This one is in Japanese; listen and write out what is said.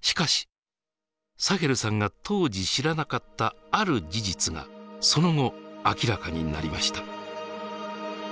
しかしサヘルさんが当時知らなかったある事実がその後明らかになりました。